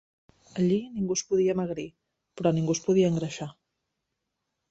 Allí ningú es podia amagrir, però ningú es podia engreixar.